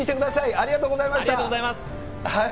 ありがとうございます。